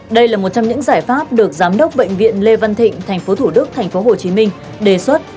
đây là một trong những giải pháp được giám đốc bệnh viện lê văn thịnh tp thủ đức tp hcm đề xuất